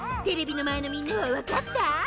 テレビのまえのみんなはわかった？